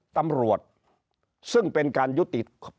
ตำรวจซึ่งเป็นการยุติ